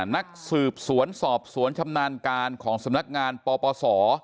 นักสืบสวนสอบสวนชำนาญการของสำนักงานปปศ